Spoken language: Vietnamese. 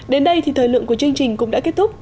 đến đây thì thời lượng của chương trình cũng đã kết thúc